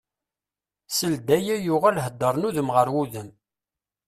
Seld aya yuɣal heddren udem ɣer udem.